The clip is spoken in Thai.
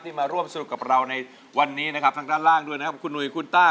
มาร่วมสนุกกับเราในวันนี้นะครับทางด้านล่างด้วยนะครับคุณหุยคุณต้า